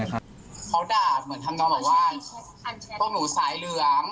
เขาด่าเหมือนทำนองบอกว่าพวกหนูสายเหลือง